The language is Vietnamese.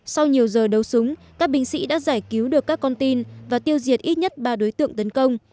sau nhiều giờ đấu súng các binh sĩ đã giải cứu được các con tin và tiêu diệt ít nhất ba đối tượng tấn công